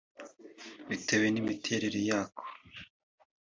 bitewe n’imiterere yako